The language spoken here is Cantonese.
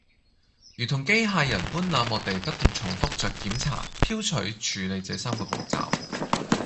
如同機械人般冷漠地不斷重覆著檢查、挑取、處理這三個步驟